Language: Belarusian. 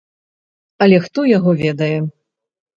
Але хто яго ведае.